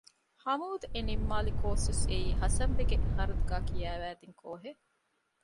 ހަމޫދް އެ ނިންމާލި ކޯސްވެސް އެއީ ހަސަންބެގެ ހަރަދުގައި ކިޔަވަދިން ކޯހެއް